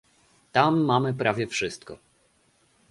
Tam mamy prawie wszystko